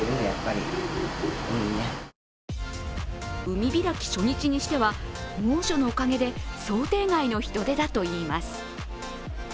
海開き初日にしては猛暑のおかげで想定外の人出だといいます。